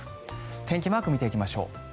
天気マークを見ていきましょう。